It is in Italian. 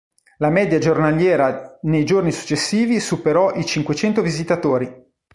La media giornaliera nei giorni successivi superò i cinquecento visitatori.